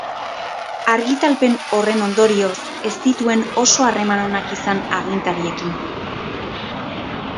Argitalpen horren ondorioz ez zituen oso harreman onak izan agintariekin.